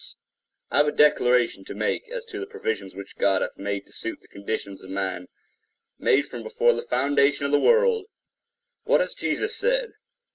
(Malachi 4:5–6.) A Salvation for Men[edit] I have a declaration to make as to the provisions which God hath made to suit the conditions of man—made from before the foundation of the world. What has Jesus said?